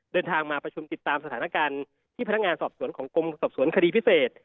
เดินทางมาประชุมติดตามสถานการณ์ที่พนักงานสอบสวนของกรมสอบสวนคดีพิเศษ